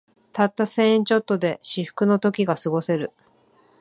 たった千円ちょっとで至福の時がすごせる